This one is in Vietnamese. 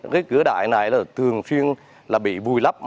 cái cửa đại này là thường phiên là bị bùi lắp